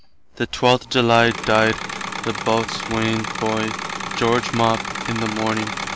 The 12th July dyed the Boatswaine's boy, George Mopp, in the morning.